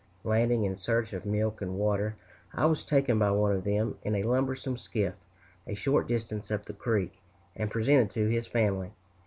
Landing in search of milk and water, I was taken by one of them in a lumbersome skiff a short distance up the creek, and presented to his family.